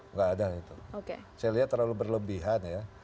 nggak ada itu saya lihat terlalu berlebihan ya